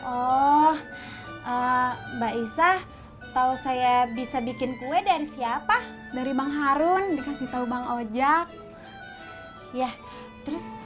oh mbak isa tahu saya bisa bikin kue dari siapa dari bang harun dikasih tahu bang ojek ya terus